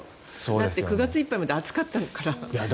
だって９月いっぱいまで暑かったから。